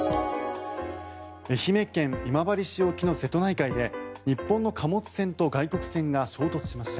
愛媛県今治市沖の瀬戸内海で日本の貨物船と外国船が衝突しました。